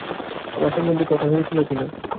আমার সম্বন্ধে কথা হয়েছিল কি না?